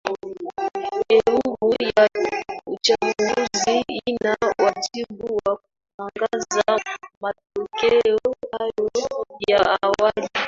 e huru ya uchanguzi ina wajibu wa kutangaza matokeo hayo ya awali